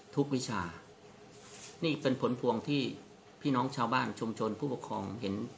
วิชานี่เป็นผลพวงที่พี่น้องชาวบ้านชุมชนผู้ปกครองเห็น